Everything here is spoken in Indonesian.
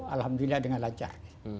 alhamdulillah dengan lancar